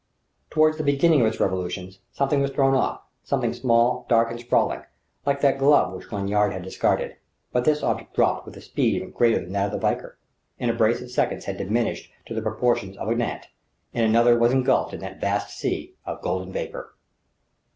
Toward the beginning of its revolutions, something was thrown off, something small, dark and sprawling ... like that glove which Lanyard had discarded. But this object dropped with a speed even greater than that of the Valkyr, in a brace of seconds had diminished to the proportions of a gnat, in another was engulfed in that vast sea of golden vapour.